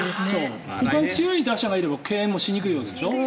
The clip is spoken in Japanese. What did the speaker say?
ほかに強い打者がいれば敬遠しにくいわけでしょ。